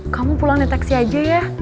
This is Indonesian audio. kamu pulang deteksi aja ya